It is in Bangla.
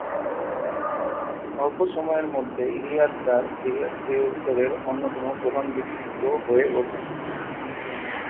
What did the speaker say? অল্প সময়ের মধ্যেই রিয়াদ দার সিরিয়ার বিরোধী দলের অন্যতম প্রধান ব্যক্তিত্ব হয়ে ওঠেন।